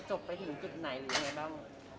มันจะจบไปถึงจุดไหนหรือไงบ้าง